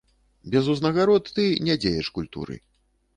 Без узнагарод ты не дзеяч культуры.